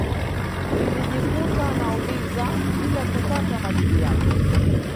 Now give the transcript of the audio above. Nilijikuta nauliza bila kupata majibu yake